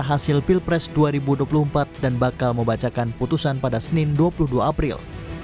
hasil pilpres dua ribu dua puluh empat dan bakal membacakan putusan pada senin dua puluh dua april